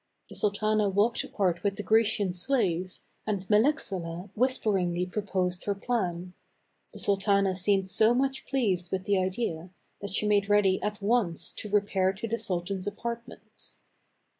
The sultana walked apart with the Grecian slave, and Melechsalah whisperingly proposed her plan. The sultana seemed so much pleased with the idea, that she made ready at once to repair to the sultan's apartments.